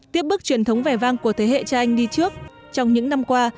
tiếp bước truyền thống vẻ vang của thế hệ cha anh đi trước trong những năm qua